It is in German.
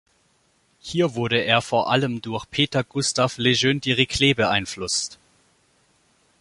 Hier wurde er vor allem durch Peter Gustav Lejeune Dirichlet beeinflusst.